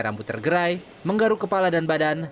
rambut tergerai menggaruk kepala dan badan